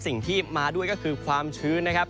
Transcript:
สิ่งที่มาด้วยก็คือความชื้นนะครับ